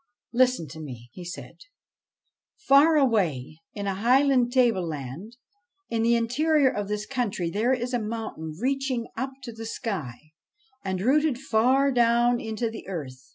' Listen to me,' said he. ' Far away in a high tableland in the interior of this country there is a mountain reaching up to the sky, and rooted far down into the earth.